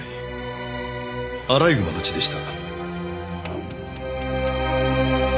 アライグマの血でした。